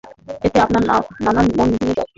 এতে আমার নানার মন ভেঙ্গে যায়।